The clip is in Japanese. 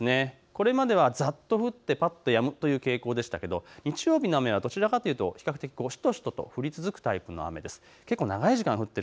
これまではざっと降ってぱっとやむという傾向でしたが日曜日の雨はどちらかというと比較的しとしとと降り続くタイプの雨です。